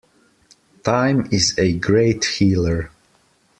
Time is a great healer.